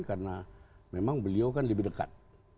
karena memang beliau kan lebih dekat